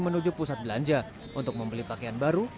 menuju pusat belanja untuk membeli pakaian baru